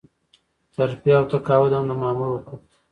ترفيع او تقاعد هم د مامور حقوق دي.